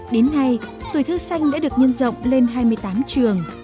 đến nay tuổi thơ xanh đã được nhân rộng lên hai mươi tám trường